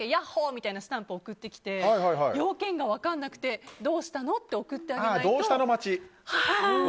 みたいなスタンプだけ来て要件が分からなくてどうしたの？って送ってあげないと。